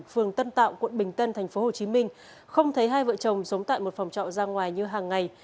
phường tân tạo quận bình tân tp hcm không thấy hai vợ chồng sống tại một phòng trọ ra ngoài như hàng ngày